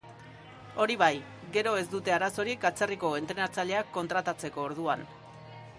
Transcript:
Hori bai, gero ez dute arazorik atzerriko entrenatzaileak kontratatzeko orduan.